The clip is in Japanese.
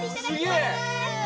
◆すげえ！